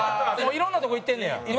いろんなとこ行ってんねや？